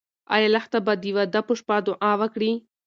ایا لښته به د واده په شپه دعا وکړي؟